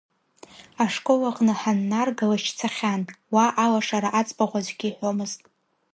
Ашкол аҟны ҳаннарга лашьцахьан, уа алашара аӡбахә аӡәгьы иҳәомызт.